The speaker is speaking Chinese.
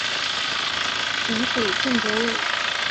寻属靖州卫。